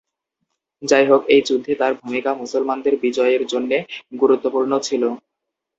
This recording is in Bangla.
যাইহোক, এই যুদ্ধে তাঁর ভূমিকা মুসলমানদের বিজয়ের জন্যে গুরুত্বপূর্ণ ছিল।